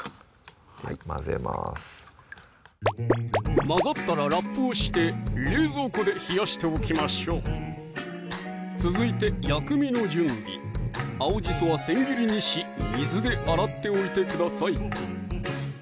混ぜます混ざったらラップをして冷蔵庫で冷やしておきましょう続いて薬味の準備青じそは千切りにし水で洗っておいてください